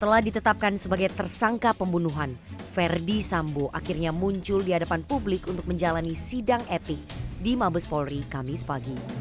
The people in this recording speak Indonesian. setelah ditetapkan sebagai tersangka pembunuhan verdi sambo akhirnya muncul di hadapan publik untuk menjalani sidang etik di mabes polri kamis pagi